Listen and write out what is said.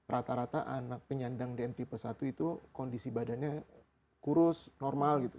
rata rata anak penyandang dm tipe satu itu kondisi badannya kurus normal gitu